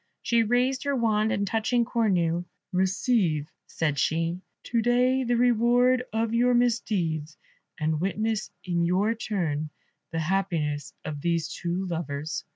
She raised her wand, and touching Cornue, "Receive," said she, "to day, the reward of your misdeeds, and witness in your turn the happiness of these two lovers."